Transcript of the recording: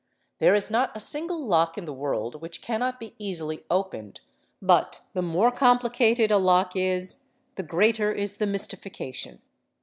737 "There is not a single lock in the world which cannot be easily opened, but the more complicated a lock is the greater is the mystification"'.